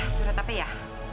surat apa ya